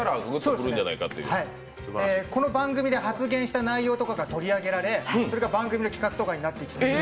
この番組で発言した内容とかが取り上げられそれが番組の企画とかになっていきます。